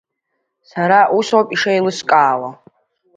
Сара усоуп ишеилыскаауа.